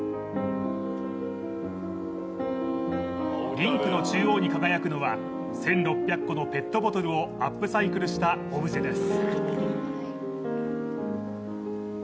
リンクの中央に輝くのは、１６００個のペットボトルをアップサイクルしたオブジェです。